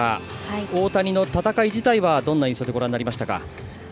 大谷の戦い自体はどんな印象でご覧になりましたか。